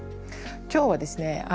今日はですね